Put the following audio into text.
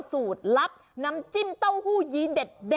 สูตรลับน้ำจิ้มเต้าหู้ยี้เด็ด